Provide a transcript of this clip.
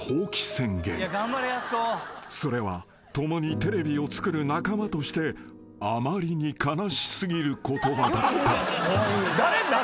［それは共にテレビをつくる仲間としてあまりに悲し過ぎる言葉だった］